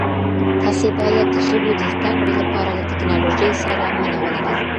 تاسي باید د ژبو د زده کړې لپاره له ټکنالوژۍ سره مینه ولرئ.